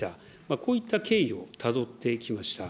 こういった経緯をたどってきました。